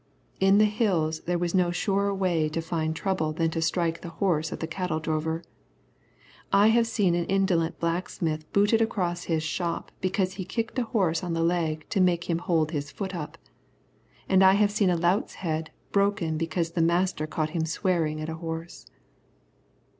In the Hills there was no surer way to find trouble than to strike the horse of the cattle drover. I have seen an indolent blacksmith booted across his shop because he kicked a horse on the leg to make him hold his foot up. And I have seen a lout's head broken because the master caught him swearing at a horse.